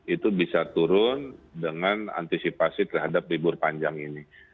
itu bisa turun dengan antisipasi terhadap libur panjang ini